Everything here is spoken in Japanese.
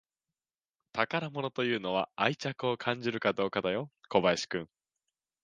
宝物というのは愛着を感じるかどうかだよ